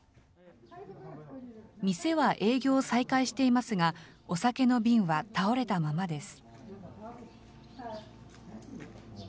店は営業を再開していますが、お酒の瓶は倒れたままです。